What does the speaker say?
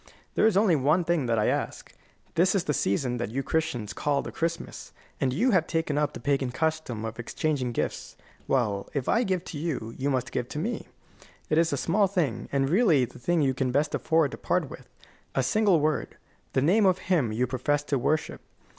There is only one thing that I ask. This is the season that you Christians call the Christmas, and you have taken up the pagan custom of exchanging gifts. Well, if I give to you, you must give to me. It is a small thing, and really the thing you can best afford to part with: a single word the name of Him you profess to worship.